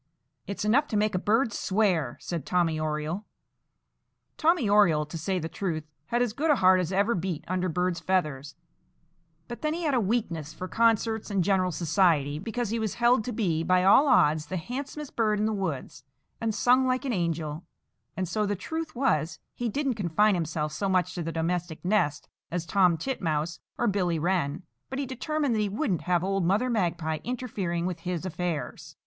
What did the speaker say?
"It's enough to make a bird swear," said Tommy Oriole. Tommy Oriole, to say the truth, had as good a heart as ever beat under bird's feathers; but then he had a weakness for concerts and general society, because he was held to be, by all odds, the handsomest bird in the woods, and sung like an angel; and so the truth was he didn't confine himself so much to the domestic nest as Tom Titmouse or Billy Wren. But he determined that he wouldn't have old Mother Magpie interfering with his affairs.